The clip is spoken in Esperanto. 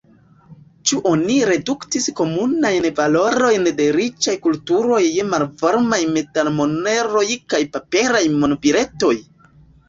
Ĉu oni reduktis komunajn valorojn de riĉaj kulturoj je malvarmaj metalmoneroj kaj paperaj monbiletoj?